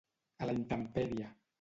A la intempèrie.